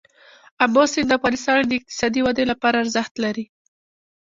آمو سیند د افغانستان د اقتصادي ودې لپاره ارزښت لري.